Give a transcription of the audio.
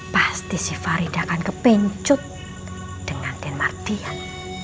pasti sifarida akan kepencut dengan den mardian